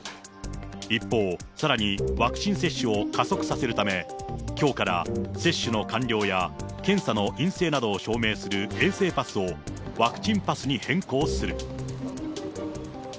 一方、さらにワクチン接種を加速させるため、きょうから接種の完了や、検査の陰性などを証明する衛生パスをワクチンパスに変更する。